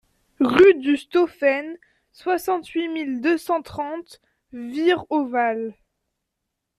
Rue du Stauffen, soixante-huit mille deux cent trente Wihr-au-Val